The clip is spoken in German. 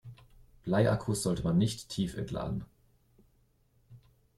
Bleiakkus sollte man nicht tiefentladen.